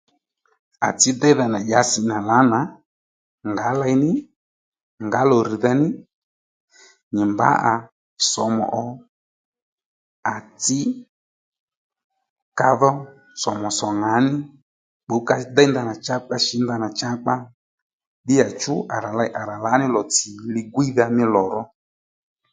À tsǐ déydha nà dyasi nà lǎnà nà ngǎ ley ní, ngǎ lò rr̀dha ní nyì mbǎ à somu ò à tsǐ ka dhó somu sò ŋǎ ní bbùw ka déy ndanà cha ka shǐ ndana changá kpa ddíyachú à rà ley à rà lǎní lò tsì li gwídha mí lò ró